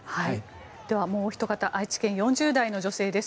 では、もうおひと方愛知県、４０代の女性です。